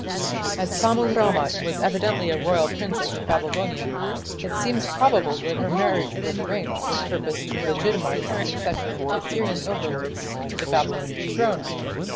As Sammu rammat was evidently a royal princess of Babylonia, it seems probable that her marriage was arranged with purpose to legitimatize the succession of the Assyrian overlords to the Babylonian throne.